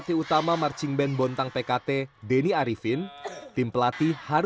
kita melakukan yang sebenarnya dalam bentuk setiap mentrelapunan